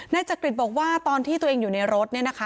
จักริตบอกว่าตอนที่ตัวเองอยู่ในรถเนี่ยนะคะ